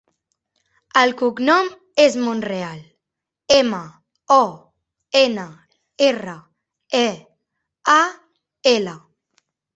El cognom és Monreal: ema, o, ena, erra, e, a, ela.